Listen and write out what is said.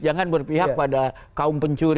jangan berpihak pada kaum pencuri